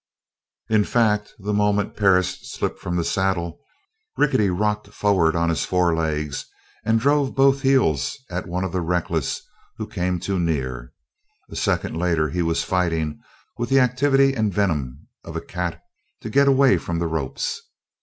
In fact, the moment Perris slipped from the saddle, Rickety rocked forward on his forelegs and drove both heels at one of the reckless who came too near. A second later he was fighting with the activity and venom of a cat to get away from the ropes.